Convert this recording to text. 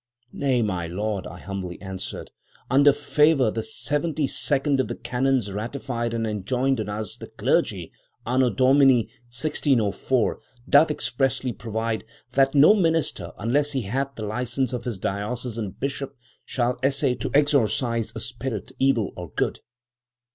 'Nay, my Lord,' I humbly answered, 'under favour, the seventy second of the canons ratified and enjoined on us, the clergy, anno Domini 1604, doth expressly provide, that "no minister, unless he hath the licence of his diocesan bishop, shall essay to exorcise a spirit, evil or good."